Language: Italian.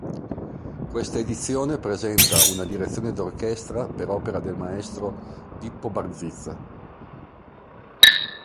Questa edizione presenta una direzione d'orchestra per opera del maestro Pippo Barzizza.